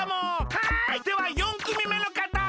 はいでは４くみめのかたどうぞ！